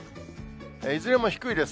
いずれも低いです。